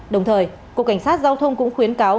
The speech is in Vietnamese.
đồng thời cục cảnh sát giao thông cũng khuyến cáo